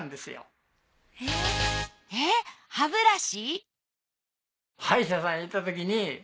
えっ歯ブラシ？